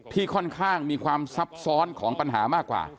ที่ค่อนข้างมีความซับซ้อนของปัญหามากกว่า